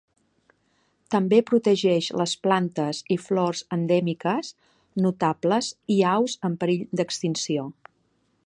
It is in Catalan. També protegeix les plantes i flors endèmiques notables i aus en perill d'extinció.